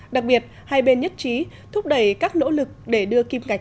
đặc biệt hai bên nhất trí thúc đẩy các nỗ lực để đưa kim ngạch